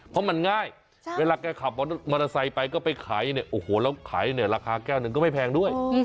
เพราะมันง่ายเวลาแกขับมอเตอร์ไซค์ไปก็ไปขายเนี่ยโอ้โหแล้วขายเนี่ยราคาแก้วหนึ่งก็ไม่แพงด้วย